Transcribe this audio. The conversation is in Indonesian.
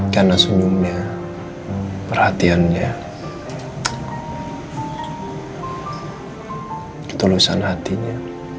karena senyumnya perhatiannya ketulusan hatinya